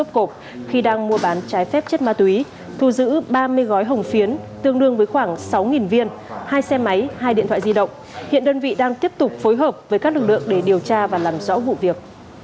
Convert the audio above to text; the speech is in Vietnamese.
hai mươi một cột khi đang mua bán trái phép chất ma túy thu giữ ba mươi gói hồng phiến tương đương với khoảng sáu viên hai xe máy hai điện thoại di động hiện đơn vị đang tiếp tục phối hợp với các lực lượng để điều tra và làm rõ vụ việc